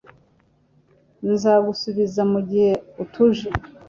Nzagusubiza mugihe utuje